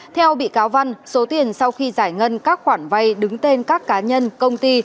theo bị cáo văn số tiền sau khi giải ngân các khoản vay đứng tên các cá nhân công ty